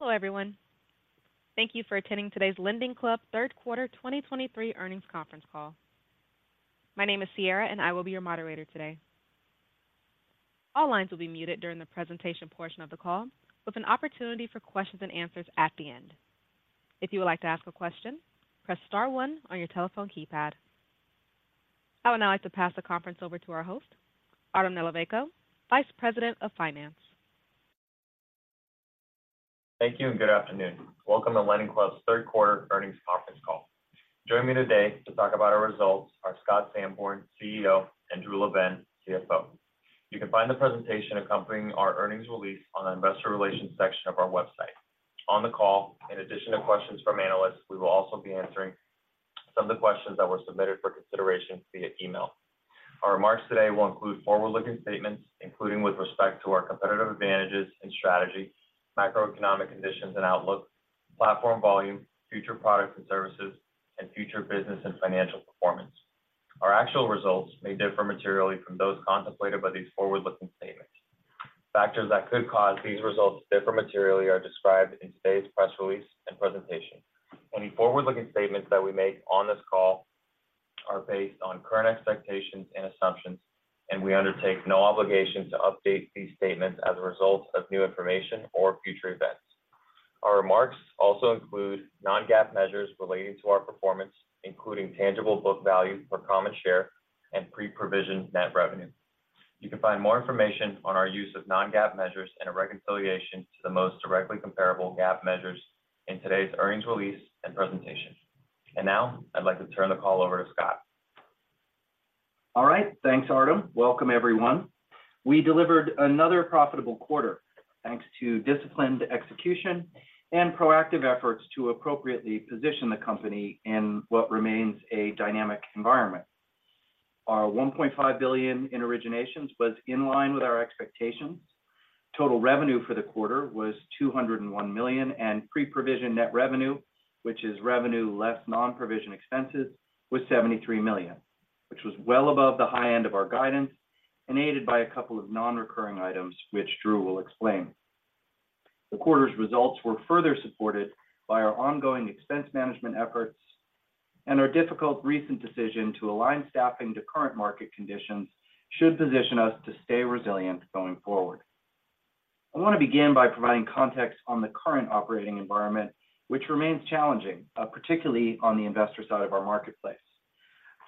Hello, everyone. Thank you for attending today's LendingClub Q3 2023 Earnings Conference Call. My name is Sierra, and I will be your moderator today. All lines will be muted during the presentation portion of the call, with an opportunity for questions and answers at the end. If you would like to ask a question, press star one on your telephone keypad. I would now like to pass the conference over to our host, Artem Nalivayko, Vice President of Finance. Thank you and good afternoon. Welcome to LendingClub's Q3 earnings conference call. Joining me today to talk about our results are Scott Sanborn, CEO, and Drew LaBenne, CFO. You can find the presentation accompanying our earnings release on the investor relations section of our website. On the call, in addition to questions from analysts, we will also be answering some of the questions that were submitted for consideration via email. Our remarks today will include forward-looking statements, including with respect to our competitive advantages and strategy, macroeconomic conditions and outlook, platform volume, future products and services, and future business and financial performance. Our actual results may differ materially from those contemplated by these forward-looking statements. Factors that could cause these results to differ materially are described in today's press release and presentation. Any forward-looking statements that we make on this call are based on current expectations and assumptions, and we undertake no obligation to update these statements as a result of new information or future events. Our remarks also include non-GAAP measures relating to our performance, including tangible book value for common share and pre-provision net revenue. You can find more information on our use of non-GAAP measures and a reconciliation to the most directly comparable GAAP measures in today's earnings release and presentation. Now, I'd like to turn the call over to Scott. All right, thanks, Artem. Welcome, everyone. We delivered another profitable quarter, thanks to disciplined execution and proactive efforts to appropriately position the company in what remains a dynamic environment. Our $1.5 billion in originations was in line with our expectations. Total revenue for the quarter was $201 million, and pre-provision net revenue, which is revenue less non-provision expenses, was $73 million, which was well above the high end of our guidance and aided by a couple of non-recurring items, which Drew will explain. The quarter's results were further supported by our ongoing expense management efforts, and our difficult recent decision to align staffing to current market conditions should position us to stay resilient going forward. I want to begin by providing context on the current operating environment, which remains challenging, particularly on the investor side of our marketplace.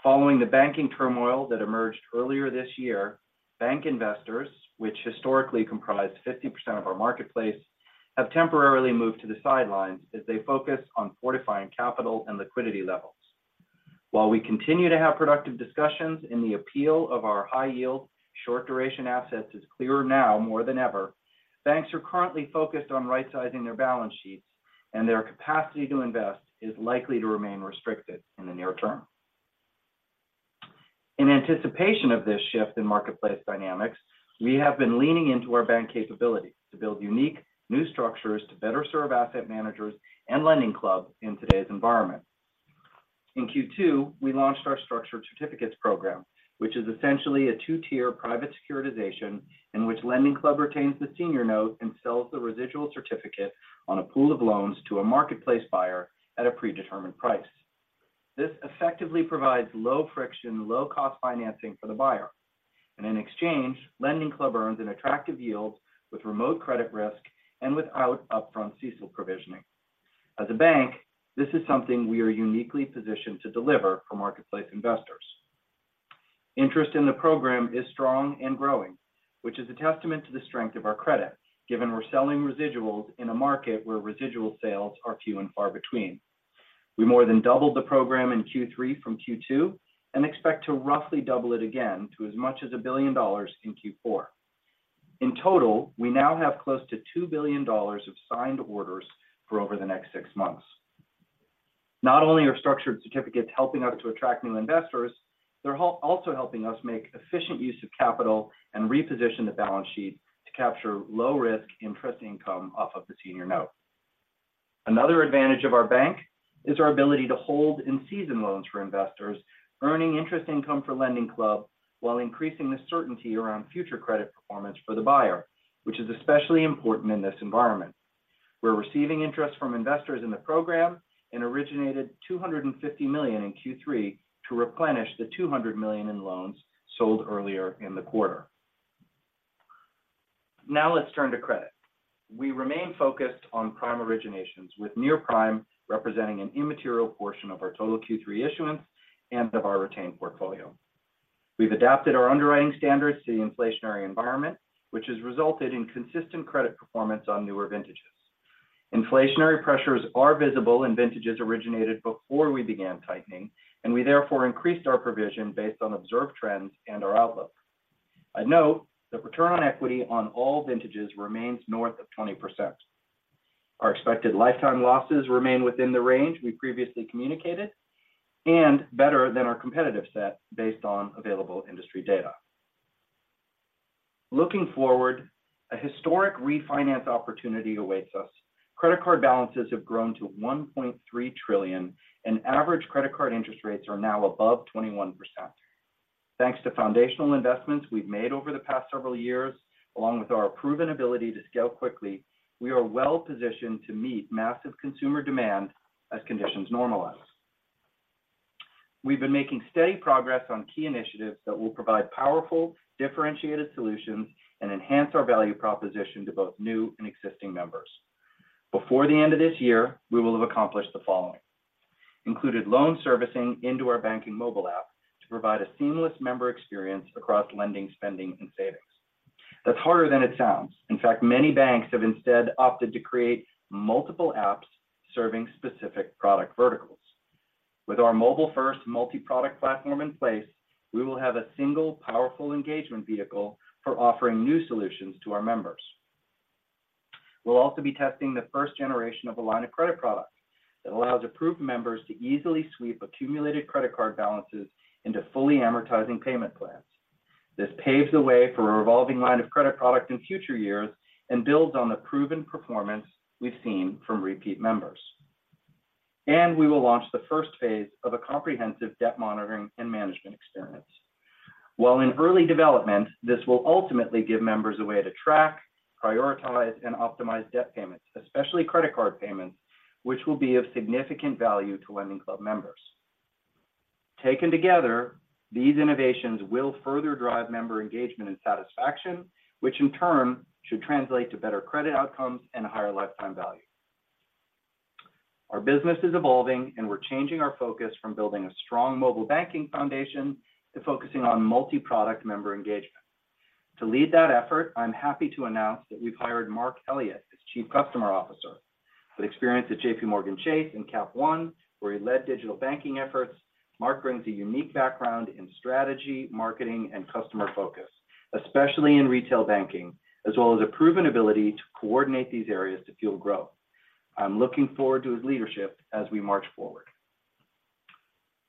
Following the banking turmoil that emerged earlier this year, bank investors, which historically comprise 50% of our marketplace, have temporarily moved to the sidelines as they focus on fortifying capital and liquidity levels. While we continue to have productive discussions, the appeal of our high-yield, short-duration assets is clearer now more than ever, banks are currently focused on right-sizing their balance sheets, and their capacity to invest is likely to remain restricted in the near term. In anticipation of this shift in marketplace dynamics, we have been leaning into our bank capabilities to build unique new structures to better serve asset managers and LendingClub in today's environment. In Q2, we launched our Structured Certificates program, which is essentially a two-tier private securitization in which LendingClub retains the senior note and sells the residual certificate on a pool of loans to a marketplace buyer at a predetermined price. This effectively provides low-friction, low-cost financing for the buyer, and in exchange, LendingClub earns an attractive yield with remote credit risk and without upfront CECL provisioning. As a bank, this is something we are uniquely positioned to deliver for marketplace investors. Interest in the program is strong and growing, which is a testament to the strength of our credit, given we're selling residuals in a market where residual sales are few and far between. We more than doubled the program in Q3 from Q2 and expect to roughly double it again to as much as $1 billion in Q4. In total, we now have close to $2 billion of signed orders for over the next six months. Not only are Structured Certificates helping us to attract new investors, they're also helping us make efficient use of capital and reposition the balance sheet to capture low-risk interest income off of the senior note. Another advantage of our bank is our ability to hold and season loans for investors, earning interest income for LendingClub while increasing the certainty around future credit performance for the buyer, which is especially important in this environment. We're receiving interest from investors in the program and originated $250 million in Q3 to replenish the $200 million in loans sold earlier in the quarter. Now, let's turn to credit. We remain focused on prime originations, with near prime representing an immaterial portion of our total Q3 issuance and of our retained portfolio. We've adapted our underwriting standards to the inflationary environment, which has resulted in consistent credit performance on newer vintages. Inflationary pressures are visible in vintages originated before we began tightening, and we therefore increased our provision based on observed trends and our outlook. I note that return on equity on all vintages remains north of 20%. Our expected lifetime losses remain within the range we previously communicated and better than our competitive set based on available industry data... Looking forward, a historic refinance opportunity awaits us. Credit card balances have grown to $1.3 trillion, and average credit card interest rates are now above 21%. Thanks to foundational investments we've made over the past several years, along with our proven ability to scale quickly, we are well positioned to meet massive consumer demand as conditions normalize. We've been making steady progress on key initiatives that will provide powerful, differentiated solutions and enhance our value proposition to both new and existing members. Before the end of this year, we will have accomplished the following: included loan servicing into our banking mobile app to provide a seamless member experience across lending, spending, and savings. That's harder than it sounds. In fact, many banks have instead opted to create multiple apps serving specific product verticals. With our mobile-first, multi-product platform in place, we will have a single powerful engagement vehicle for offering new solutions to our members. We'll also be testing the first generation of a line of credit product that allows approved members to easily sweep accumulated credit card balances into fully amortizing payment plans. This paves the way for a revolving line of credit product in future years and builds on the proven performance we've seen from repeat members. We will launch the first phase of a comprehensive debt monitoring and management experience. While in early development, this will ultimately give members a way to track, prioritize, and optimize debt payments, especially credit card payments, which will be of significant value to LendingClub members. Taken together, these innovations will further drive member engagement and satisfaction, which in turn should translate to better credit outcomes and a higher lifetime value. Our business is evolving, and we're changing our focus from building a strong mobile banking foundation to focusing on multi-product member engagement. To lead that effort, I'm happy to announce that we've hired Mark Elliott as Chief Customer Officer. With experience at JPMorgan Chase and Cap One, where he led digital banking efforts, Mark brings a unique background in strategy, marketing, and customer focus, especially in retail banking, as well as a proven ability to coordinate these areas to fuel growth. I'm looking forward to his leadership as we march forward.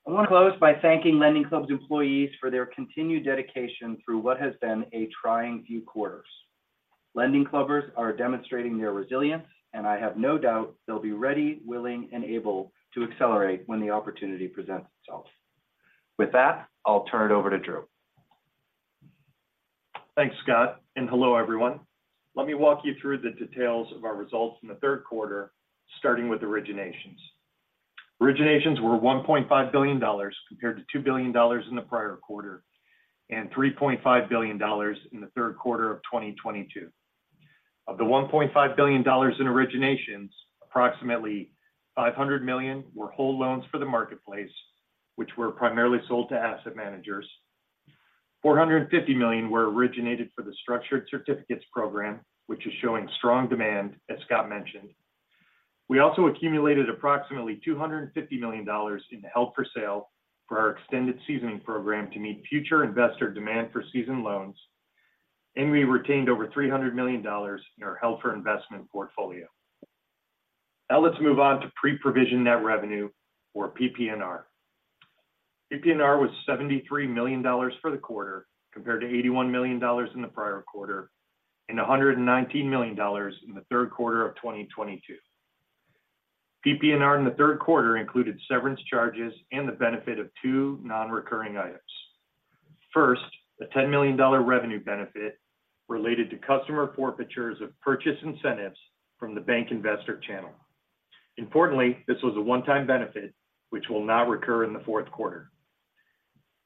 I want to close by thanking LendingClub's employees for their continued dedication through what has been a trying few quarters. LendingClubbers are demonstrating their resilience, and I have no doubt they'll be ready, willing, and able to accelerate when the opportunity presents itself. With that, I'll turn it over to Drew. Thanks, Scott, and hello, everyone. Let me walk you through the details of our results in the Q3, starting with originations. Originations were $1.5 billion, compared to $2 billion in the prior quarter, and $3.5 billion in the Q3 of 2022. Of the $1.5 billion in originations, approximately $500 million were whole loans for the marketplace, which were primarily sold to asset managers. $450 million were originated for the structured certificates program, which is showing strong demand, as Scott mentioned. We also accumulated approximately $250 million in held for sale for our extended seasoning program to meet future investor demand for seasoned loans, and we retained over $300 million in our held for investment portfolio. Now let's move on to pre-provision net revenue or PPNR. PPNR was $73 million for the quarter, compared to $81 million in the prior quarter, and $119 million in the Q3 of 2022. PPNR in the Q3 included severance charges and the benefit of two non-recurring items. First, a $10 million dollar revenue benefit related to customer forfeitures of purchase incentives from the bank investor channel. Importantly, this was a one-time benefit which will not reoccur in the Q4.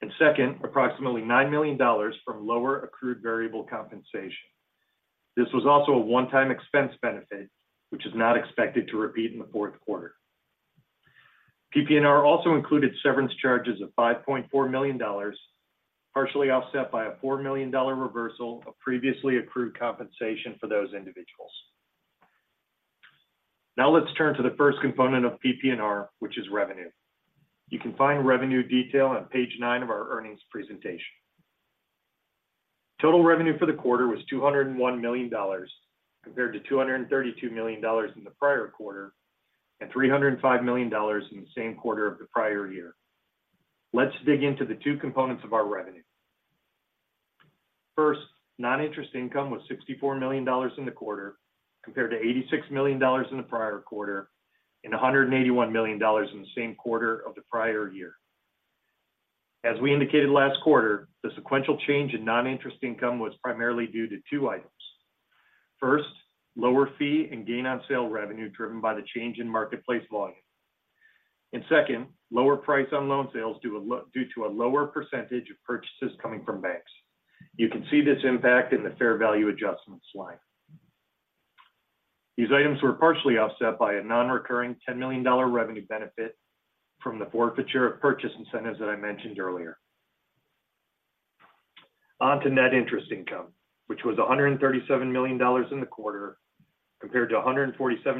And second, approximately $9 million dollars from lower accrued variable compensation. This was also a one-time expense benefit, which is not expected to repeat in the Q4. PPNR also included severance charges of $5.4 million dollars, partially offset by a $4 million dollar reversal of previously accrued compensation for those individuals. Now let's turn to the first component of PPNR, which is revenue. You can find revenue detail on page 9 of our earnings presentation. Total revenue for the quarter was $201 million, compared to $232 million in the prior quarter, and $305 million in the same quarter of the prior year. Let's dig into the two components of our revenue. First, non-interest income was $64 million in the quarter, compared to $86 million in the prior quarter, and $181 million in the same quarter of the prior year. As we indicated last quarter, the sequential change in non-interest income was primarily due to two items. First, lower fee and gain on sale revenue driven by the change in marketplace volume. And second, lower price on loan sales due to a lower percentage of purchases coming from banks. You can see this impact in the fair value adjustments line. These items were partially offset by a non-recurring $10 million revenue benefit from the forfeiture of purchase incentives that I mentioned earlier. On to net interest income, which was $137 million in the quarter, compared to $147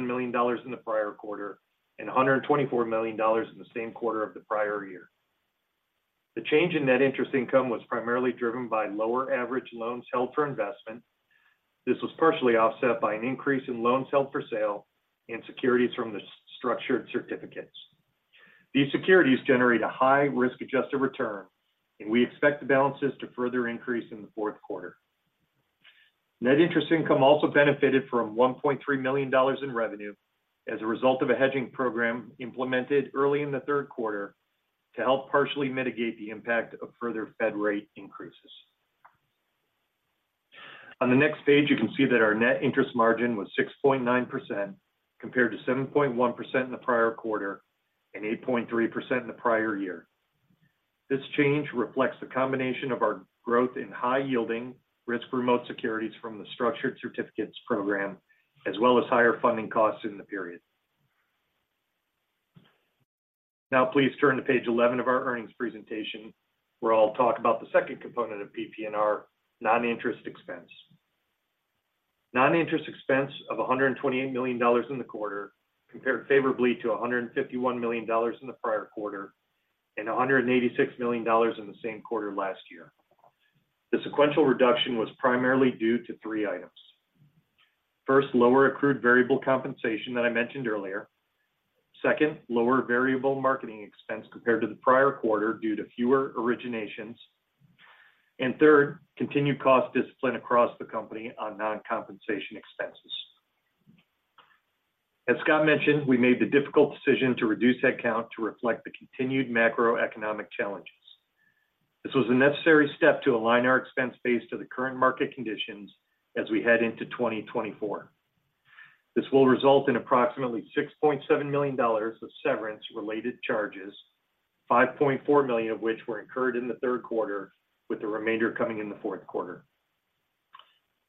million in the prior quarter, and $124 million in the same quarter of the prior year. The change in net interest income was primarily driven by lower average loans held for investment. This was partially offset by an increase in loans held for sale and securities from the Structured Certificates. These securities generate a high risk-adjusted return, and we expect the balances to further increase in the Q4. Net interest income also benefited from $1.3 million in revenue as a result of a hedging program implemented early in the Q3 to help partially mitigate the impact of further Fed rate increases. On the next page, you can see that our net interest margin was 6.9%, compared to 7.1% in the prior quarter and 8.3% in the prior year. This change reflects the combination of our growth in high-yielding, risk-remote securities from the structured certificates program, as well as higher funding costs in the period. Now please turn to page 11 of our earnings presentation, where I'll talk about the second component of PPNR, non-interest expense. Non-interest expense of $128 million in the quarter compared favorably to $151 million in the prior quarter, and $186 million in the same quarter last year. The sequential reduction was primarily due to three items. First, lower accrued variable compensation that I mentioned earlier. Second, lower variable marketing expense compared to the prior quarter due to fewer originations. And third, continued cost discipline across the company on non-compensation expenses. As Scott mentioned, we made the difficult decision to reduce head count to reflect the continued macroeconomic challenges. This was a necessary step to align our expense base to the current market conditions as we head into 2024. This will result in approximately $6.7 million of severance-related charges, $5.4 million of which were incurred in the Q3, with the remainder coming in the Q4.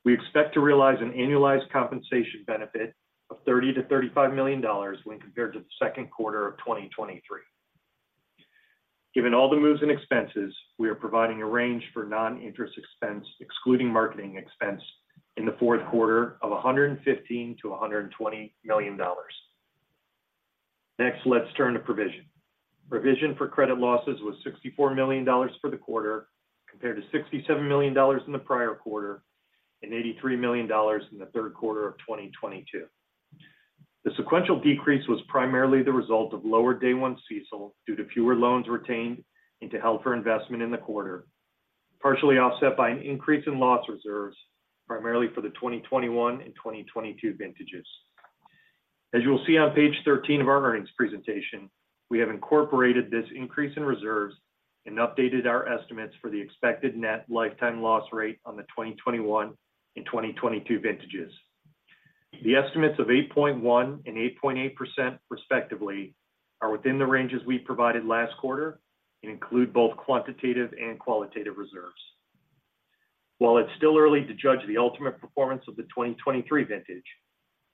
We expect to realize an annualized compensation benefit of $30-$35 million when compared to the Q2 of 2023. Given all the moves and expenses, we are providing a range for non-interest expense, excluding marketing expense in the Q4 of $115-$120 million. Next, let's turn to provision. Provision for credit losses was $64 million for the quarter, compared to $67 million in the prior quarter, and $83 million in the Q3 of 2022. The sequential decrease was primarily the result of lower day one CECL, due to fewer loans retained into held for investment in the quarter, partially offset by an increase in loss reserves, primarily for the 2021 and 2022 vintages. As you will see on page 13 of our earnings presentation, we have incorporated this increase in reserves and updated our estimates for the expected net lifetime loss rate on the 2021 and 2022 vintages. The estimates of 8.1% and 8.8% respectively, are within the ranges we provided last quarter and include both quantitative and qualitative reserves. While it's still early to judge the ultimate performance of the 2023 vintage,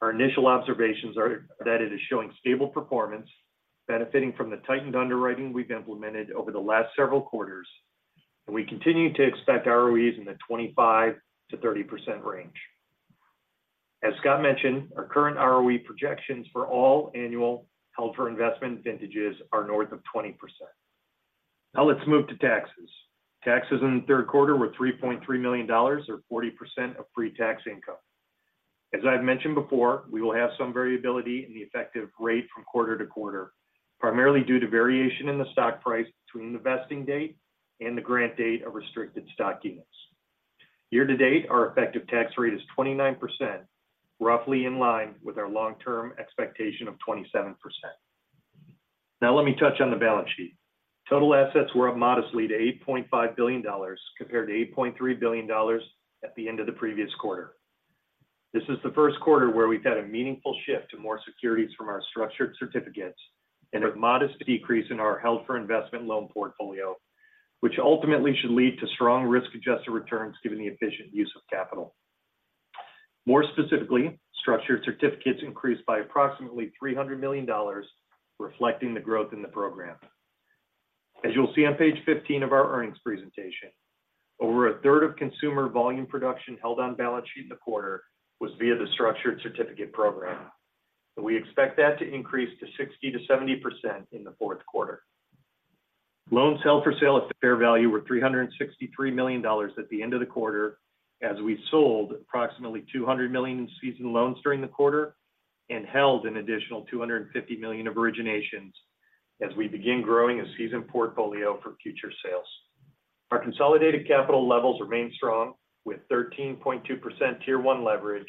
our initial observations are that it is showing stable performance, benefiting from the tightened underwriting we've implemented over the last several quarters, and we continue to expect ROEs in the 25%-30% range. As Scott mentioned, our current ROE projections for all annual held for investment vintages are north of 20%. Now let's move to taxes. Taxes in the Q3 were $3.3 million, or 40% of pre-tax income. As I've mentioned before, we will have some variability in the effective rate from quarter to quarter, primarily due to variation in the stock price between the vesting date and the grant date of restricted stock units. Year to date, our effective tax rate is 29%, roughly in line with our long-term expectation of 27%. Now let me touch on the balance sheet. Total assets were up modestly to $8.5 billion, compared to $8.3 billion at the end of the previous quarter. This is the Q1 where we've had a meaningful shift to more securities from our Structured Certificates and a modest decrease in our held-for-investment loan portfolio, which ultimately should lead to strong risk-adjusted returns, given the efficient use of capital. More specifically, Structured Certificates increased by approximately $300 million, reflecting the growth in the program. As you'll see on page 15 of our earnings presentation, over a third of consumer volume production held on balance sheet in the quarter was via the Structured Certificates program. We expect that to increase to 60%-70% in the Q4. Loans held for sale at fair value were $363 million at the end of the quarter, as we sold approximately $200 million in season loans during the quarter and held an additional $250 million of originations as we begin growing a season portfolio for future sales. Our consolidated capital levels remain strong, with 13.2% Tier 1 leverage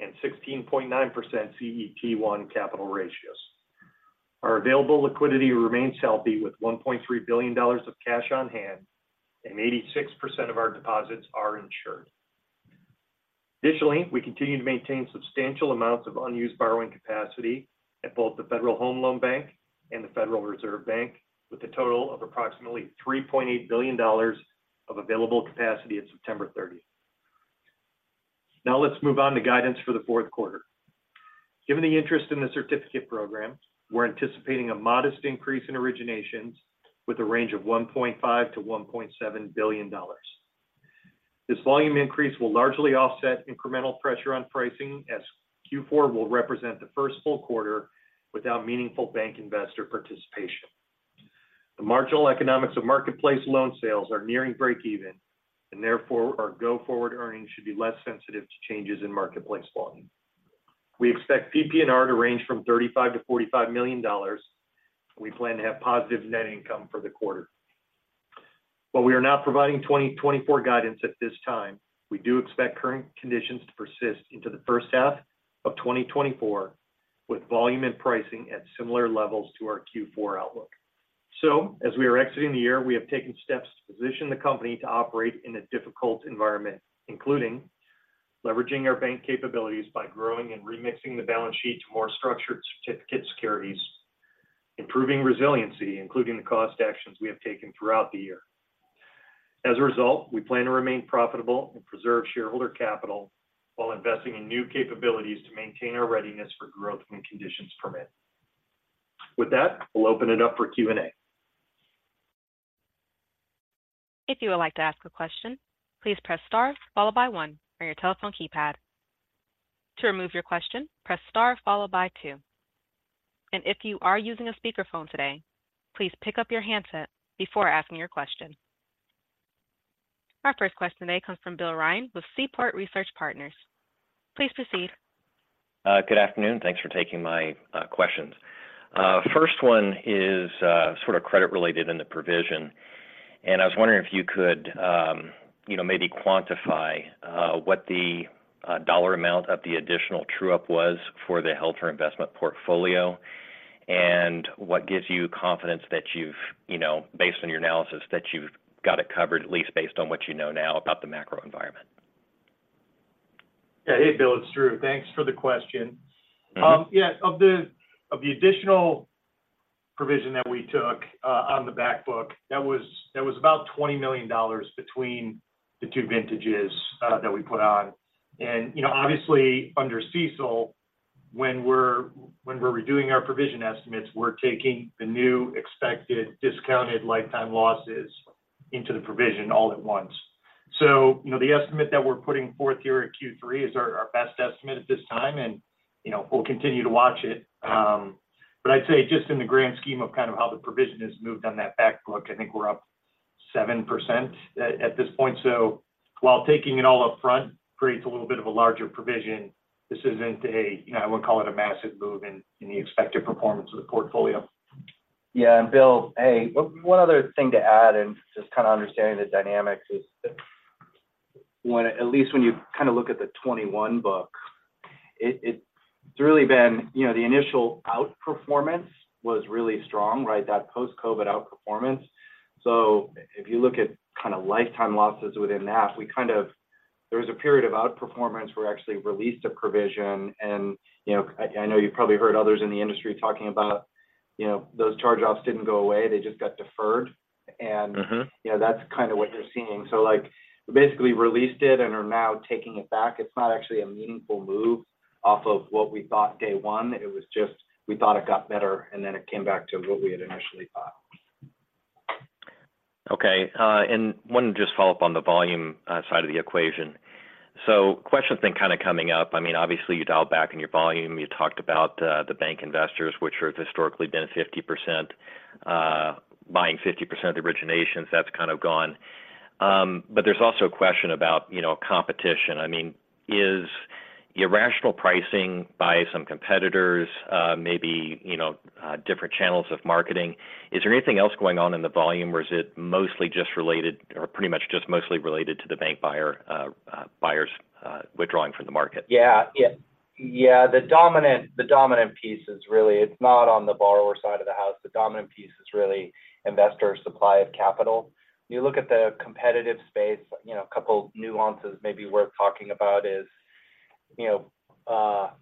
and 16.9% CET1 capital ratios. Our available liquidity remains healthy, with $1.3 billion of cash on hand and 86% of our deposits are insured. Additionally, we continue to maintain substantial amounts of unused borrowing capacity at both the Federal Home Loan Bank and the Federal Reserve Bank, with a total of approximately $3.8 billion of available capacity at September 30th. Now, let's move on to guidance for the Q4. Given the interest in the certificate program, we're anticipating a modest increase in originations with a range of $1.5 billion-$1.7 billion. This volume increase will largely offset incremental pressure on pricing, as Q4 will represent the Q1 without meaningful bank investor participation. The marginal economics of marketplace loan sales are nearing breakeven, and therefore our go-forward earnings should be less sensitive to changes in marketplace volume. We expect PPNR to range from $35 million-$45 million. We plan to have positive net income for the quarter. While we are not providing 2024 guidance at this time, we do expect current conditions to persist into the first half of 2024, with volume and pricing at similar levels to our Q4 outlook. As we are exiting the year, we have taken steps to position the company to operate in a difficult environment, including leveraging our bank capabilities by growing and remixing the balance sheet to more structured certificate securities, improving resiliency, including the cost actions we have taken throughout the year. As a result, we plan to remain profitable and preserve shareholder capital while investing in new capabilities to maintain our readiness for growth when conditions permit. With that, we'll open it up for Q&A. If you would like to ask a question, please press star followed by one on your telephone keypad. To remove your question, press star followed by two. If you are using a speakerphone today, please pick up your handset before asking your question. Our first question today comes from Bill Ryan with Seaport Research Partners. Please proceed. Good afternoon. Thanks for taking my questions. First one is sort of credit related in the provision, and I was wondering if you could, you know, maybe quantify what the dollar amount of the additional true-up was for the held for investment portfolio, and what gives you confidence that you've, you know, based on your analysis, that you've got it covered, at least based on what you know now about the macro environment? Yeah. Hey, Bill, it's Drew. Thanks for the question. Mm-hmm. Yeah, of the, of the additional provision that we took on the back book, that was, that was about $20 million between the two vintages that we put on. And, you know, obviously under CECL, when we're, when we're redoing our provision estimates, we're taking the new expected discounted lifetime losses into the provision all at once. So, you know, the estimate that we're putting forth here at Q3 is our, our best estimate at this time, and, you know, we'll continue to watch it. But I'd say just in the grand scheme of kind of how the provision has moved on that back book, I think we're up 7% at this point. So while taking it all up front creates a little bit of a larger provision, this isn't a you know, I wouldn't call it a massive move in the expected performance of the portfolio. Yeah, and Bill, hey, one, one other thing to add and just kind of understanding the dynamics is when, at least when you kind of look at the 21 book, it, it's really been... You know, the initial outperformance was really strong, right? That post-COVID outperformance. So if you look at kind of lifetime losses within that, we kind of, there was a period of outperformance where we actually released a provision. And, you know, I, I know you've probably heard others in the industry talking about, you know, those charge-offs didn't go away, they just got deferred. Mm-hmm. And, you know, that's kind of what you're seeing. So, like, basically released it and are now taking it back. It's not actually a meaningful move off of what we thought day one. It was just, we thought it got better, and then it came back to what we had initially thought. Okay, and wanted to just follow up on the volume, side of the equation. So questions then kind of coming up, I mean, obviously, you dialed back on your volume. You talked about, the bank investors, which are historically been 50%, buying 50% of the originations. That's kind of gone. But there's also a question about, you know, competition. I mean, is irrational pricing by some competitors, maybe, you know, different channels of marketing? Is there anything else going on in the volume, or is it mostly just related or pretty much just mostly related to the bank buyer, buyers, withdrawing from the market? Yeah. Yeah. Yeah, the dominant piece is really, it's not on the borrower side of the house. The dominant piece is really investor supply of capital. You look at the competitive space, you know, a couple nuances maybe worth talking about is, you know,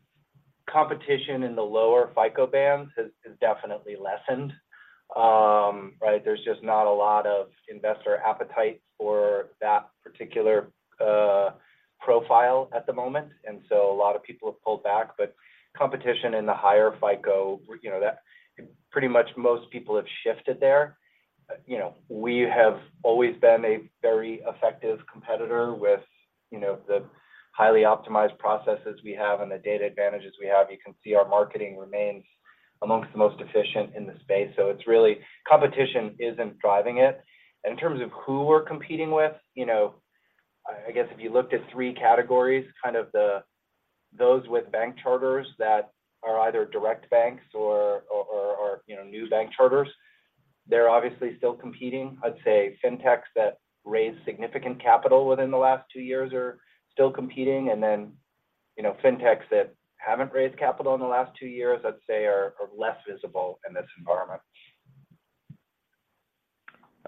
competition in the lower FICO bands has definitely lessened. Right? There's just not a lot of investor appetite for that particular profile at the moment, and so a lot of people have pulled back. But competition in the higher FICO, you know, that pretty much most people have shifted there. You know, we have always been a very effective competitor with, you know, the highly optimized processes we have and the data advantages we have. You can see our marketing remains amongst the most efficient in the space. So it's really, competition isn't driving it. In terms of who we're competing with, you know, I, I guess if you looked at three categories, kind of the, those with bank charters that are either direct banks or, or, or, you know, new bank charters, they're obviously still competing. I'd say fintechs that raised significant capital within the last two years are still competing, and then, you know, fintechs that haven't raised capital in the last two years, I'd say, are, are less visible in this environment.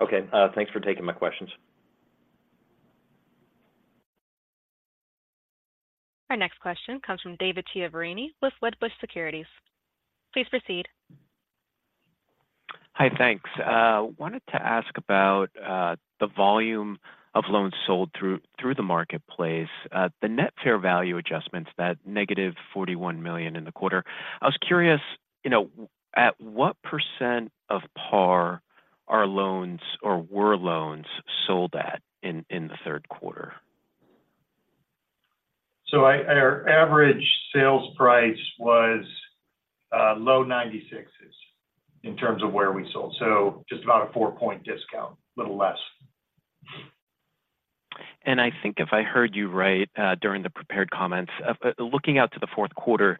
Okay. Thanks for taking my questions. Our next question comes from David Chiaverini with Wedbush Securities. Please proceed. Hi, thanks. Wanted to ask about the volume of loans sold through the marketplace. The net fair value adjustments, that -$41 million in the quarter. I was curious, you know, at what % of par are loans or were loans sold at in the Q3?... So I, our average sales price was low 96s in terms of where we sold. So just about a 4-point discount, a little less. And I think if I heard you right, during the prepared comments, looking out to the Q4,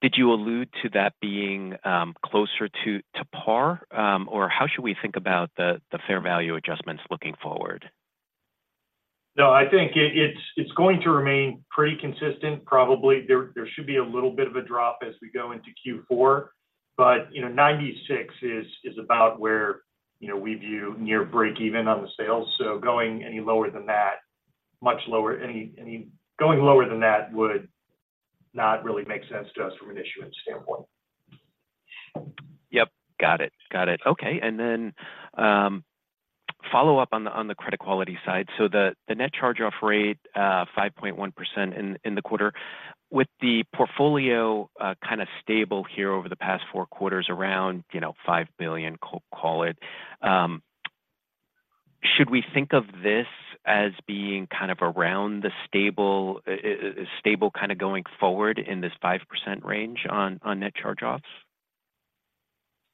did you allude to that being closer to, to par? Or how should we think about the fair value adjustments looking forward? No, I think it's going to remain pretty consistent. Probably there should be a little bit of a drop as we go into Q4, but, you know, 96 is about where, you know, we view near breakeven on the sales. So going any lower than that, much lower, any going lower than that would not really make sense to us from an issuance standpoint. Yep. Got it. Got it. Okay, and then, follow-up on the, on the credit quality side. So the, the net charge-off rate, 5.1% in, in the quarter. With the portfolio, kind of stable here over the past four quarters around, you know, $5 billion, call it, should we think of this as being kind of around the stable, stable kind of going forward in this 5% range on, on net charge-offs?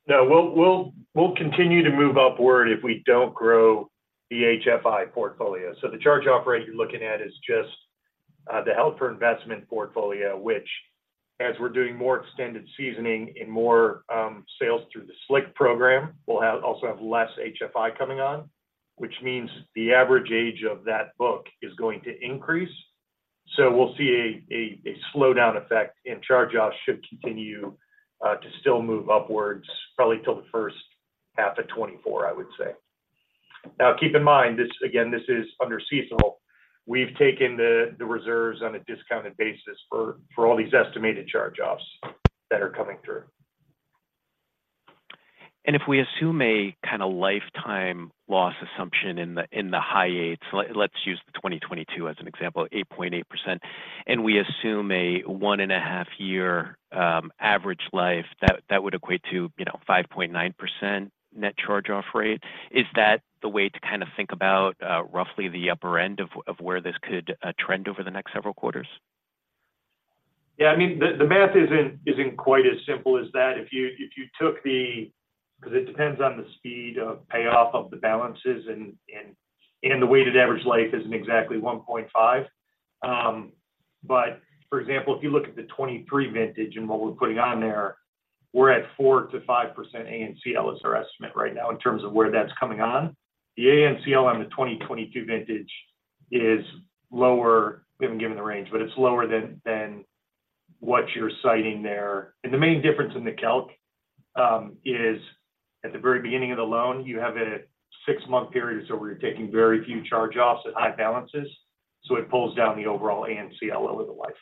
No, we'll continue to move upward if we don't grow the HFI portfolio. So the charge-off rate you're looking at is just the held for investment portfolio, which as we're doing more extended seasoning and more sales through the SLIC program, we'll have also have less HFI coming on, which means the average age of that book is going to increase. So we'll see a slowdown effect, and charge-offs should continue to still move upwards probably till the first half of 2024, I would say. Now, keep in mind, this again, this is under CECL. We've taken the reserves on a discounted basis for all these estimated charge-offs that are coming through. If we assume a kind of lifetime loss assumption in the high eights, let's use the 2022 as an example, 8.8%, and we assume a 1.5-year average life, that would equate to, you know, 5.9% net charge-off rate. Is that the way to kind of think about roughly the upper end of where this could trend over the next several quarters? Yeah, I mean, the math isn't quite as simple as that. If you took the... 'cause it depends on the speed of payoff of the balances and the weighted average life isn't exactly 1.5. But for example, if you look at the 2023 vintage and what we're putting on there, we're at 4%-5% ANCL is our estimate right now in terms of where that's coming on. The ANCL on the 2022 vintage is lower. We haven't given the range, but it's lower than what you're citing there. And the main difference in the calc is at the very beginning of the loan, you have a six-month period, so we're taking very few charge-offs at high balances, so it pulls down the overall ANCL over the life.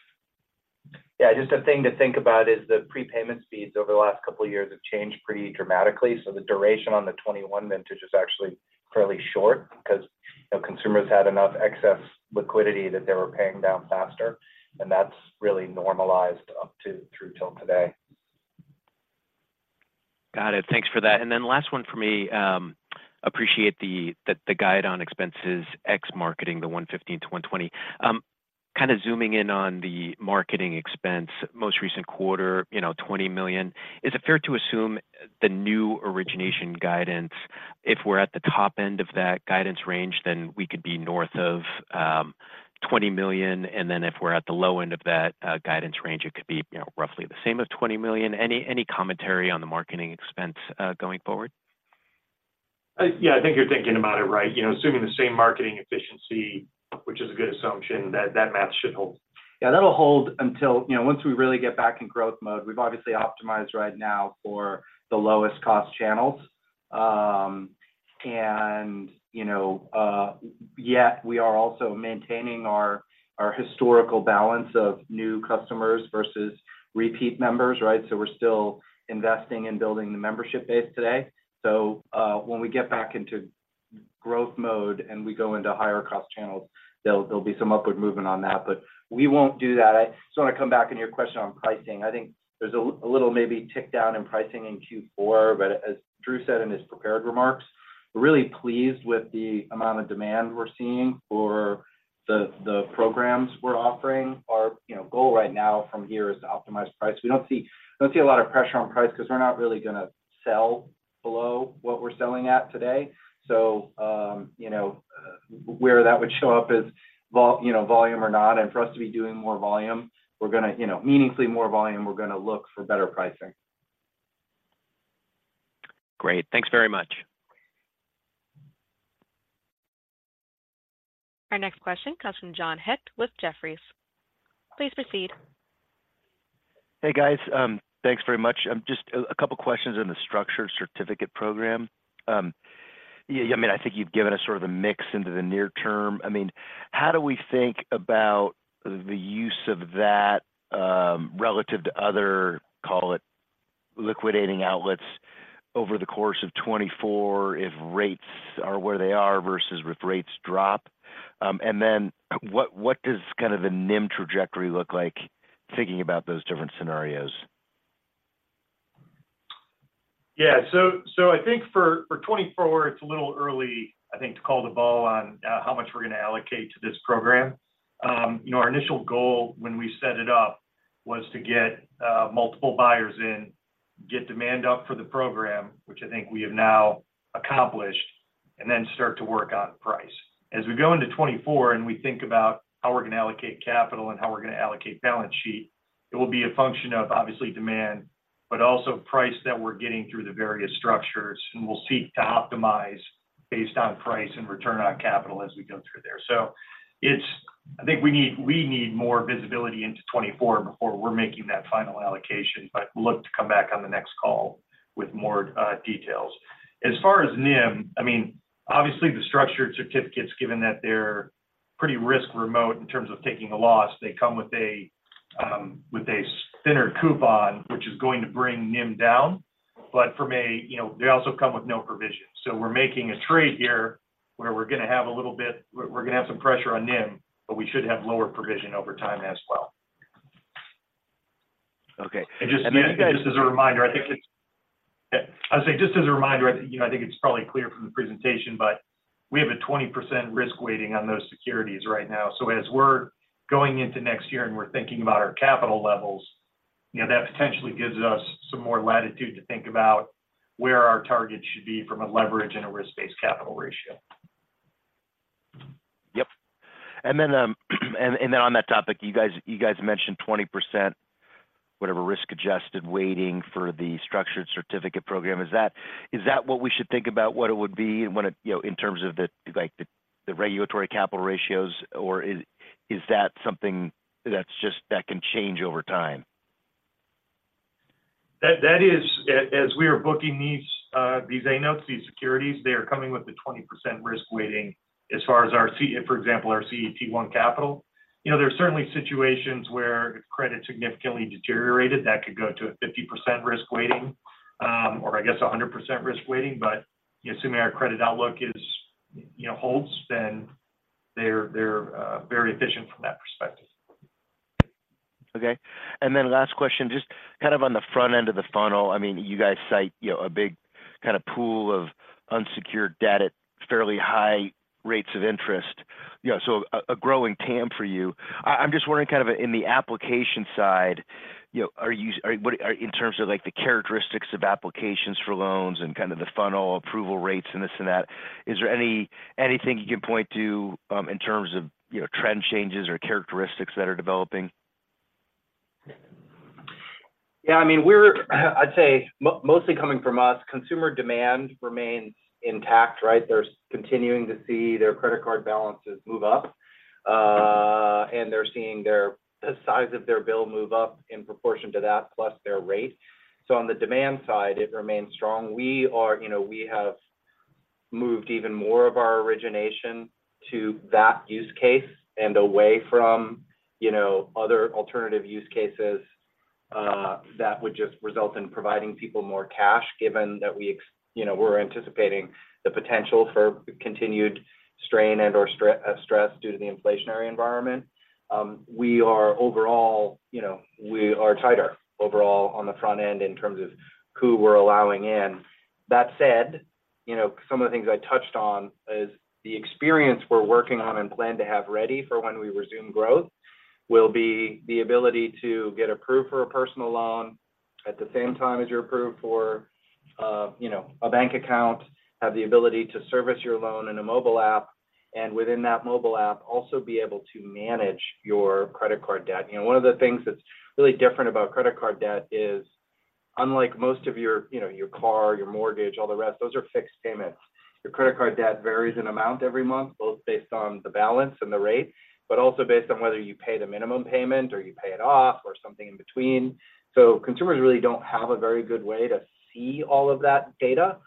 Yeah, just a thing to think about is the prepayment speeds over the last couple of years have changed pretty dramatically. So the duration on the 21 vintage is actually fairly short 'cause, you know, consumers had enough excess liquidity that they were paying down faster, and that's really normalized up to through till today. Got it. Thanks for that. And then last one for me, appreciate the guide on expenses, ex-marketing, the $115-$120 million. Kind of zooming in on the marketing expense, most recent quarter, you know, $20 million. Is it fair to assume the new origination guidance, if we're at the top end of that guidance range, then we could be north of $20 million, and then if we're at the low end of that guidance range, it could be, you know, roughly the same as $20 million? Any commentary on the marketing expense going forward? Yeah, I think you're thinking about it right. You know, assuming the same marketing efficiency, which is a good assumption, that math should hold. Yeah, that'll hold until, you know, once we really get back in growth mode. We've obviously optimized right now for the lowest cost channels. And, you know, yet we are also maintaining our historical balance of new customers versus repeat members, right? So we're still investing in building the membership base today. So, when we get back into growth mode and we go into higher cost channels, there'll be some upward movement on that, but we won't do that. I just wanna come back on your question on pricing. I think there's a little maybe tick down in pricing in Q4, but as Drew said in his prepared remarks, we're really pleased with the amount of demand we're seeing for the programs we're offering. Our, you know, goal right now from here is to optimize price. We don't see, we don't see a lot of pressure on price 'cause we're not really gonna sell below what we're selling at today. So, you know, where that would show up is vol, you know, volume or not, and for us to be doing more volume, we're gonna, you know, meaningfully more volume, we're gonna look for better pricing. Great. Thanks very much. Our next question comes from John Hecht with Jefferies. Please proceed. Hey, guys. Thanks very much. Just a couple questions in the structured certificate program. Yeah, I mean, I think you've given us sort of the mix into the near term. I mean, how do we think about the use of that relative to other, call it, liquidating outlets over the course of 24, if rates are where they are versus if rates drop? And then what does kind of the NIM trajectory look like thinking about those different scenarios? ... Yeah. So I think for 2024, it's a little early, I think, to call the ball on how much we're going to allocate to this program. You know, our initial goal when we set it up was to get multiple buyers in, get demand up for the program, which I think we have now accomplished, and then start to work on price. As we go into 2024, and we think about how we're going to allocate capital and how we're going to allocate balance sheet, it will be a function of obviously demand, but also price that we're getting through the various structures, and we'll seek to optimize based on price and return on capital as we go through there. So it's I think we need more visibility into 2024 before we're making that final allocation, but look to come back on the next call with more details. As far as NIM, I mean, obviously, the structured certificates, given that they're pretty risk remote in terms of taking a loss, they come with a thinner coupon, which is going to bring NIM down. But from a you know, they also come with no provision. So we're making a trade here where we're going to have a little bit we're going to have some pressure on NIM, but we should have lower provision over time as well. Okay. And just- Just as a reminder, I would say, just as a reminder, I think, you know, I think it's probably clear from the presentation, but we have a 20% risk weighting on those securities right now. So as we're going into next year and we're thinking about our capital levels, you know, that potentially gives us some more latitude to think about where our targets should be from a leverage and a risk-based capital ratio. Yep. And then on that topic, you guys mentioned 20%, whatever, risk-adjusted weighting for the structured certificate program. Is that what we should think about what it would be and when it—you know, in terms of the, like, the regulatory capital ratios, or is that something that's just—that can change over time? That is, as we are booking these A notes, these securities, they are coming with a 20% risk weighting as far as our CET1 capital, for example. You know, there are certainly situations where if credit significantly deteriorated, that could go to a 50% risk weighting, or I guess a 100% risk weighting. But assuming our credit outlook is, you know, holds, then they're very efficient from that perspective. Okay. And then last question, just kind of on the front end of the funnel. I mean, you guys cite, you know, a big kind of pool of unsecured debt at fairly high rates of interest, you know, so a growing TAM for you. I'm just wondering, kind of in the application side, you know, what are in terms of, like, the characteristics of applications for loans and kind of the funnel approval rates and this and that, is there anything you can point to, in terms of, you know, trend changes or characteristics that are developing? Yeah, I mean, we're—I'd say mostly coming from us, consumer demand remains intact, right? They're continuing to see their credit card balances move up, and they're seeing their, the size of their bill move up in proportion to that, plus their rate. So on the demand side, it remains strong. We are—you know, we have moved even more of our origination to that use case and away from, you know, other alternative use cases that would just result in providing people more cash, given that we—you know, we're anticipating the potential for continued strain and/or stress due to the inflationary environment. We are overall, you know, we are tighter overall on the front end in terms of who we're allowing in. That said, you know, some of the things I touched on is the experience we're working on and plan to have ready for when we resume growth, will be the ability to get approved for a personal loan at the same time as you're approved for, you know, a bank account, have the ability to service your loan in a mobile app, and within that mobile app, also be able to manage your credit card debt. You know, one of the things that's really different about credit card debt is unlike most of your, you know, your car, your mortgage, all the rest, those are fixed payments. Your credit card debt varies in amount every month, both based on the balance and the rate, but also based on whether you pay the minimum payment or you pay it off or something in between. So consumers really don't have a very good way to see all of that data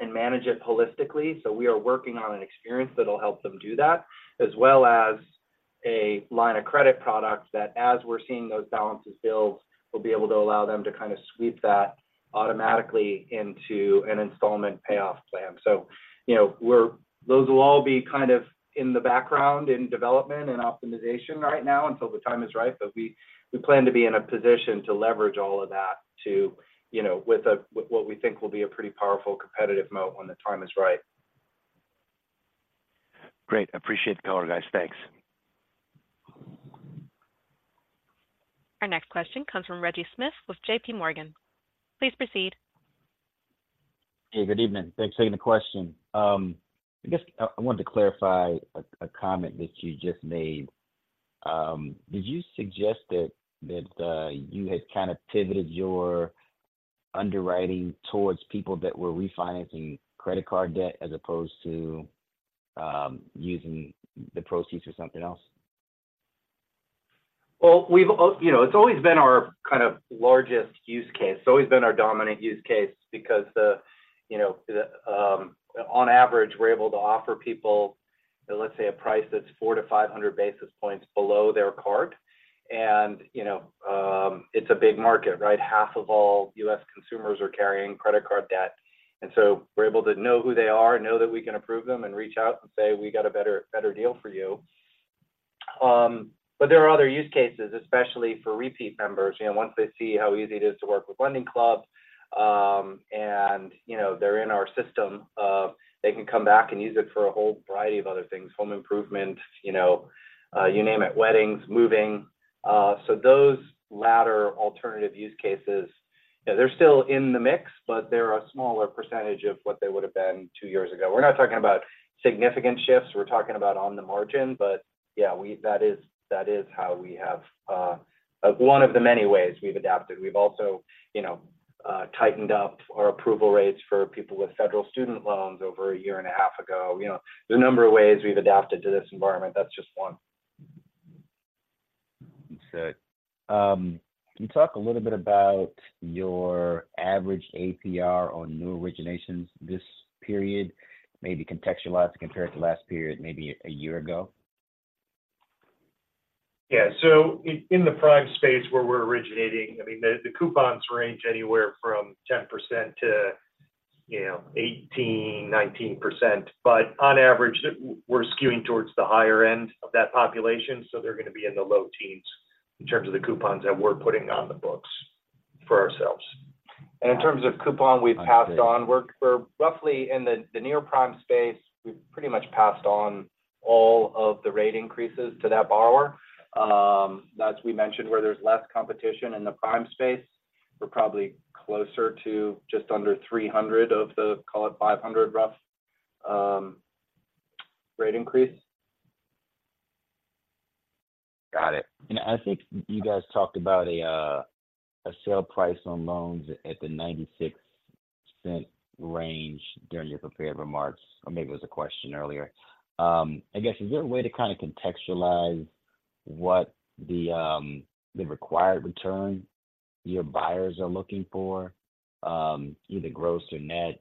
and manage it holistically. So we are working on an experience that'll help them do that, as well as a line of credit product that, as we're seeing those balances build, we'll be able to allow them to kind of sweep that automatically into an installment payoff plan. So you know, those will all be kind of in the background in development and optimization right now until the time is right. But we plan to be in a position to leverage all of that to, you know, with what we think will be a pretty powerful competitive moat when the time is right. Great. Appreciate the call, guys. Thanks. Our next question comes from Reggie Smith with J.P. Morgan. Please proceed. Hey, good evening. Thanks for taking the question. I guess I wanted to clarify a comment that you just made. Did you suggest that you had kind of pivoted your underwriting towards people that were refinancing credit card debt as opposed to using the proceeds for something else? Well, you know, it's always been our kind of largest use case. It's always been our dominant use case because the, you know, the, on average, we're able to offer people, let's say, a price that's 400-500 basis points below their card. And, you know, it's a big market, right? Half of all U.S. consumers are carrying credit card debt, and so we're able to know who they are, know that we can approve them and reach out and say, "We got a better, better deal for you."... But there are other use cases, especially for repeat members. You know, once they see how easy it is to work with LendingClub, and, you know, they're in our system, they can come back and use it for a whole variety of other things: home improvement, you know, you name it, weddings, moving. So those latter alternative use cases, you know, they're still in the mix, but they're a smaller percentage of what they would have been two years ago. We're not talking about significant shifts, we're talking about on the margin. But yeah, we, that is, that is how we have. One of the many ways we've adapted. We've also, you know, tightened up our approval rates for people with federal student loans over a year and a half ago. You know, there are a number of ways we've adapted to this environment. That's just one. That's it. Can you talk a little bit about your average APR on new originations this period? Maybe contextualize it compared to last period, maybe a year ago. Yeah. So in the prime space where we're originating, I mean, the, the coupons range anywhere from 10% to, you know, 18, 19%, but on average, we're skewing towards the higher end of that population, so they're going to be in the low teens in terms of the coupons that we're putting on the books for ourselves. And in terms of coupon we've passed on, we're, we're roughly in the, the near prime space. We've pretty much passed on all of the rate increases to that borrower. As we mentioned, where there's less competition in the prime space, we're probably closer to just under 300 of the, call it, 500 rough, rate increase. Got it. And I think you guys talked about a, a sale price on loans at the $0.96 range during your prepared remarks, or maybe it was a question earlier. I guess, is there a way to kind of contextualize what the, the required return your buyers are looking for, either gross or net,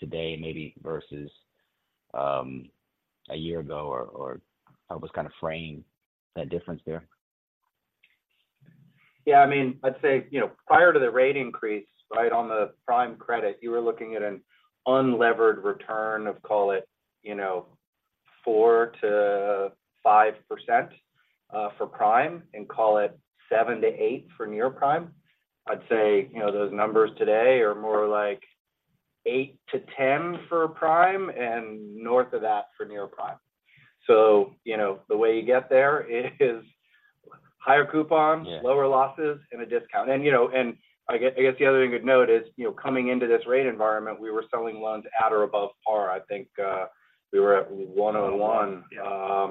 today, maybe versus, a year ago, or, or how was kind of framing that difference there? Yeah, I mean, I'd say, you know, prior to the rate increase, right on the prime credit, you were looking at an unlevered return of, call it, you know, 4%-5%, for prime, and call it 7%-8% for near prime. I'd say, you know, those numbers today are more like 8%-10% for prime and north of that for near prime. So, you know, the way you get there is higher coupons- Yeah... lower losses and a discount. And, you know, and I guess, I guess the other thing you'd note is, you know, coming into this rate environment, we were selling loans at or above par. I think, we were at 101. Yeah.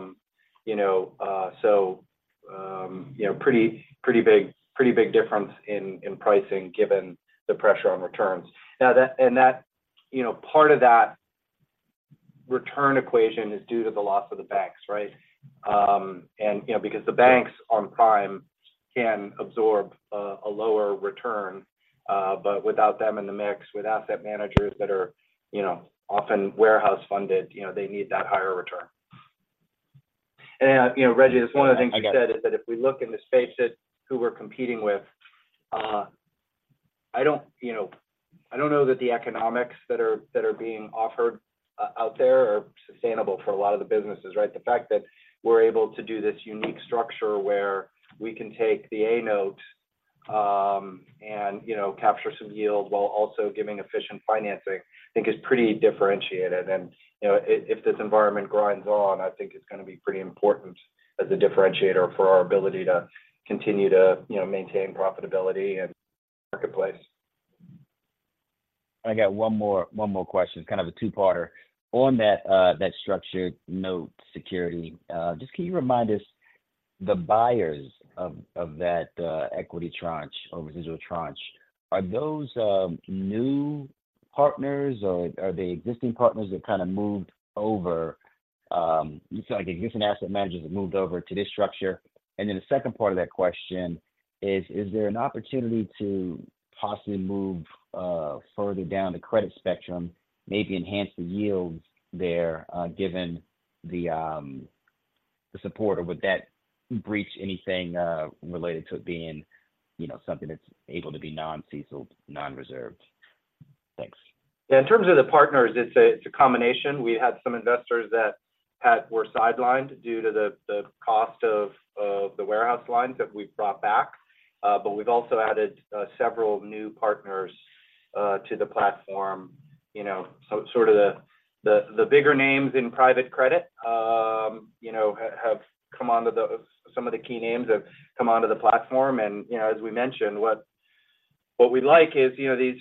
You know, so, you know, pretty, pretty big, pretty big difference in, in pricing, given the pressure on returns. Now, that and that, you know, part of that return equation is due to the loss of the banks, right? And, you know, because the banks on prime can absorb a lower return, but without them in the mix, with asset managers that are, you know, often warehouse funded, you know, they need that higher return. And, you know, Reggie, it's one of the things you said- I got it.... is that if we look in the space that who we're competing with, I don't, you know, I don't know that the economics that are, that are being offered out there are sustainable for a lot of the businesses, right? The fact that we're able to do this unique structure where we can take the A note, and, you know, capture some yield while also giving efficient financing, I think is pretty differentiated. And, you know, if this environment grinds on, I think it's going to be pretty important as a differentiator for our ability to continue to, you know, maintain profitability in the marketplace. I got one more, one more question, kind of a two-parter. On that, that structured note security, just can you remind us the buyers of, of that, equity tranche or residual tranche, are those, new partners or are they existing partners that kind of moved over... It's like existing asset managers have moved over to this structure? And then the second part of that question is: Is there an opportunity to possibly move, further down the credit spectrum, maybe enhance the yields there, given the, the support? Or would that breach anything, related to it being, you know, something that's able to be non-ceasable, non-reserved? Thanks. Yeah. In terms of the partners, it's a combination. We had some investors that were sidelined due to the cost of the warehouse lines that we've brought back. But we've also added several new partners to the platform. You know, so sort of the bigger names in private credit, you know, have come onto the platform. Some of the key names have come onto the platform. And, you know, as we mentioned, what we like is, you know, these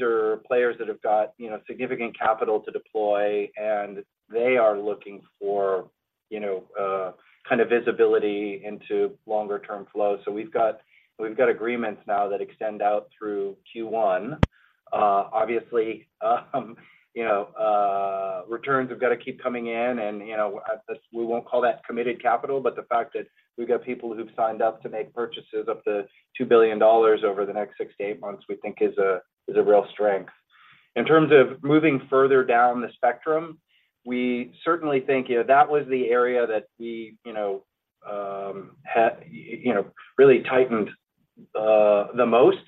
are players that have got, you know, significant capital to deploy, and they are looking for, you know, kind of visibility into longer-term flow. So we've got agreements now that extend out through Q1. Obviously, you know, returns have got to keep coming in and, you know, this—we won't call that committed capital, but the fact that we've got people who've signed up to make purchases of the $2 billion over the next 6-8 months, we think is a real strength. In terms of moving further down the spectrum, we certainly think, you know, that was the area that we, you know, really tightened the most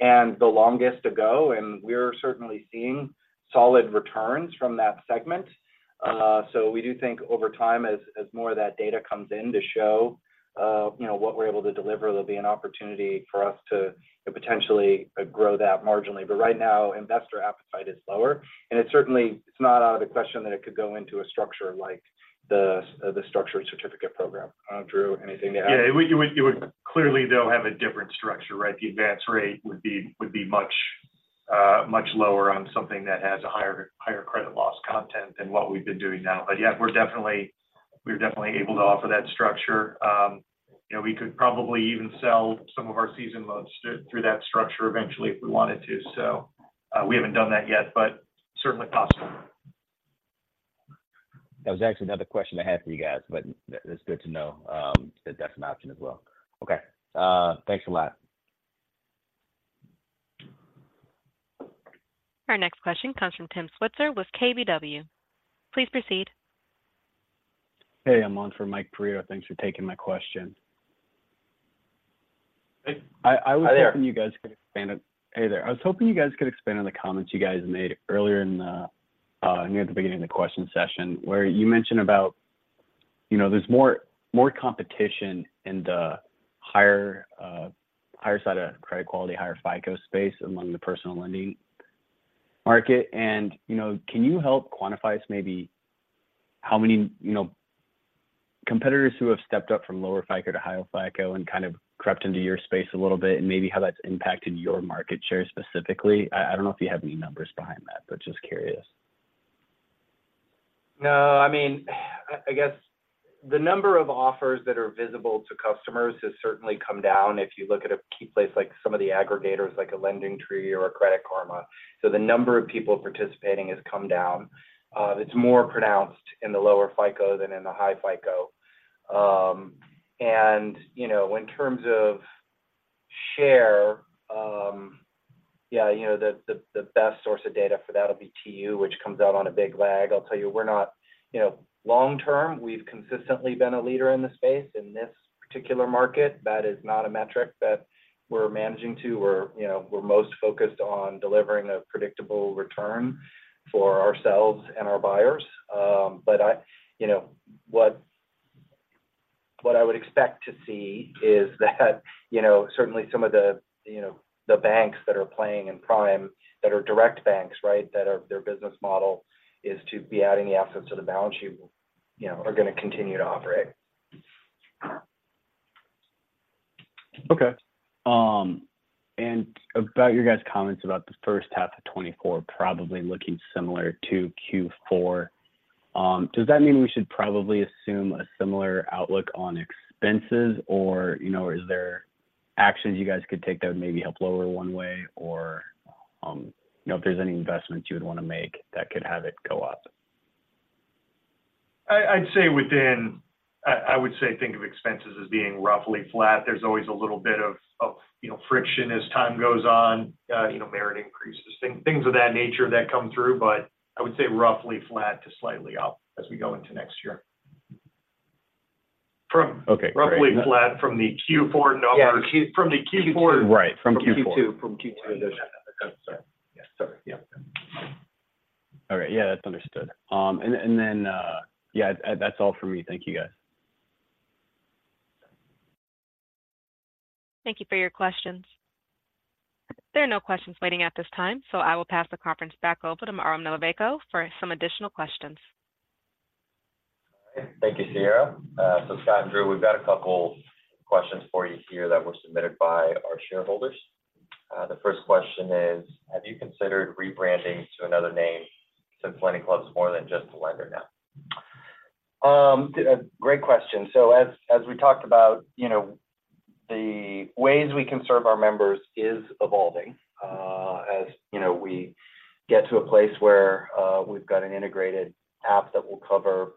and the longest to go, and we're certainly seeing solid returns from that segment. So we do think over time, as more of that data comes in to show, you know, what we're able to deliver, there'll be an opportunity for us to potentially grow that marginally. But right now, investor appetite is lower, and certainly, it's not out of the question that it could go into a structure like the Structured Certificate program. Drew, anything to add? Yeah, it would clearly, though, have a different structure, right? The advance rate would be much lower on something that has a higher credit loss content than what we've been doing now. But yeah, we're definitely able to offer that structure. You know, we could probably even sell some of our seasoned loans through that structure eventually, if we wanted to. So, we haven't done that yet, but certainly possible. That was actually another question I had for you guys, but that's good to know, that that's an option as well. Okay. Thanks a lot. Our next question comes from Tim Switzer with KBW. Please proceed. Hey, I'm on for Mike Perito. Thanks for taking my question. Hey. Hi, there. Hey, there. I was hoping you guys could expand on the comments you guys made earlier in the near the beginning of the question session, where you mentioned about, you know, there's more competition in the higher higher side of credit quality, higher FICO space among the personal lending market. You know, can you help quantify us maybe how many, you know, competitors who have stepped up from lower FICO to higher FICO and kind of crept into your space a little bit, and maybe how that's impacted your market share specifically? I don't know if you have any numbers behind that, but just curious. No, I mean, I guess the number of offers that are visible to customers has certainly come down. If you look at a key place, like some of the aggregators, like a LendingTree or a Credit Karma. So the number of people participating has come down. It's more pronounced in the lower FICO than in the high FICO. And, you know, in terms of share, yeah, you know, the best source of data for that will be TU, which comes out on a big lag. I'll tell you, we're not... You know, long term, we've consistently been a leader in the space. In this particular market, that is not a metric that we're managing to. We're, you know, we're most focused on delivering a predictable return for ourselves and our buyers. But you know, what I would expect to see is that, you know, certainly some of the, you know, the banks that are playing in Prime, that are direct banks, right, that are their business model is to be adding the assets to the balance sheet, you know, are gonna continue to operate. Okay. And about your guys' comments about the first half of 2024 probably looking similar to Q4, does that mean we should probably assume a similar outlook on expenses? Or, you know, are there actions you guys could take that would maybe help lower one way or, you know, if there's any investments you would want to make that could have it go up? I'd say—I would say think of expenses as being roughly flat. There's always a little bit of you know, friction as time goes on, you know, merit increases, things of that nature that come through. But I would say roughly flat to slightly up as we go into next year. From- Okay. Roughly flat from the Q4 numbers. Yeah, from the Q2. Right, from Q2. From Q2. From Q2. Sorry. Yeah. All right. Yeah, that's understood. And then, yeah, that's all for me. Thank you, guys. Thank you for your questions. There are no questions waiting at this time, so I will pass the conference back over to Artem Nalivayko for some additional questions. Thank you, Sierra. So Scott and Drew, we've got a couple questions for you here that were submitted by our shareholders. The first question is: Have you considered rebranding to another name since LendingClub is more than just a lender now? Great question. So as we talked about, you know, the ways we can serve our members is evolving. As you know, we get to a place where we've got an integrated app that will cover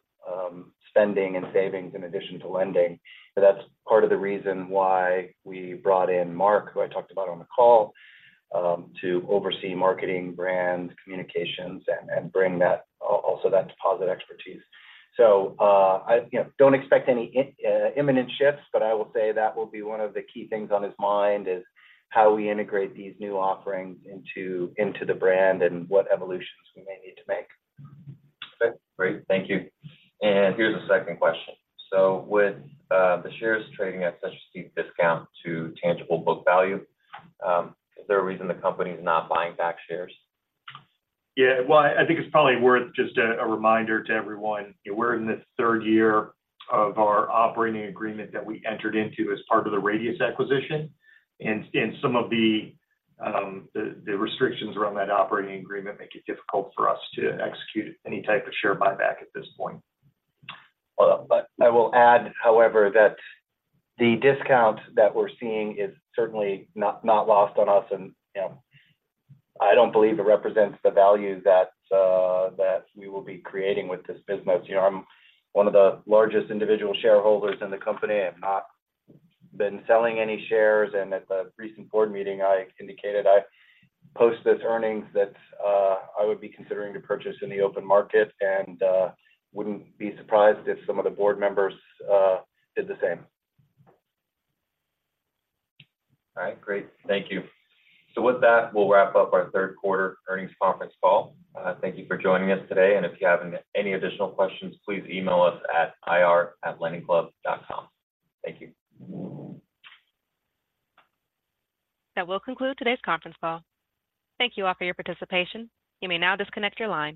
spending and savings in addition to lending. So that's part of the reason why we brought in Mark, who I talked about on the call, to oversee marketing, brand, communications, and bring that also that deposit expertise. So I you know, don't expect any imminent shifts, but I will say that will be one of the key things on his mind, is how we integrate these new offerings into the brand and what evolutions we may need to make. Okay, great. Thank you. Here's a second question. So with the shares trading at such a steep discount to tangible book value, is there a reason the company is not buying back shares? Yeah. Well, I think it's probably worth just a reminder to everyone. We're in this third year of our operating agreement that we entered into as part of the Radius acquisition, and some of the restrictions around that operating agreement make it difficult for us to execute any type of share buyback at this point. Well, but I will add, however, that the discount that we're seeing is certainly not lost on us and, you know, I don't believe it represents the value that we will be creating with this business. You know, I'm one of the largest individual shareholders in the company. I've not been selling any shares, and at the recent board meeting, I indicated, post this earnings, that I would be considering to purchase in the open market and wouldn't be surprised if some of the board members did the same. All right. Great. Thank you. So with that, we'll wrap up our Q3 earnings conference call. Thank you for joining us today, and if you have any additional questions, please email us at ir@lendingclub.com. Thank you. That will conclude today's conference call. Thank you all for your participation. You may now disconnect your line.